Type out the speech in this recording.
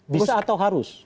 bisa atau harus